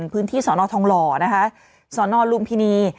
พื้นที่สอนอทองหล่อนะคะสนลุมพินี